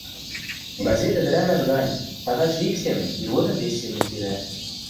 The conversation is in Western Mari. — Газет ӹдӹрӓмӓш гань: тагачы ик семӹнь, иргодым вес семӹнь сирӓ.